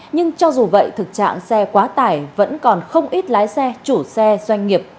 nhưng cho dù vậy thực trạng xe quá tải vẫn còn không ít lái xe chủ xe doanh nghiệp